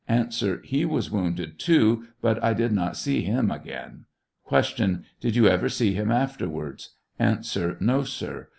A, He was wounded too ; but I did not see him again. Q. Did you ever see him afterwards ? A. No, sir.